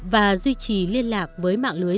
và duy trì liên lạc với mạng lưới